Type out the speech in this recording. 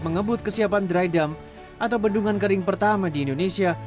mengebut kesiapan dry dump atau bendungan kering pertama di indonesia